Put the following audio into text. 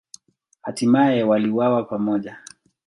Hatimaye waliuawa pamoja.